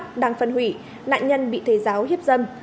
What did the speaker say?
đang phân hủy nạn nhân bị thầy giáo hiếp dâm